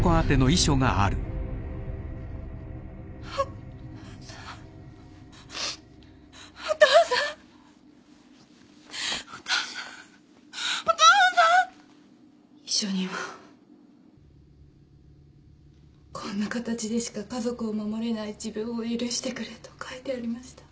遺書にはこんな形でしか家族を守れない自分を許してくれと書いてありました。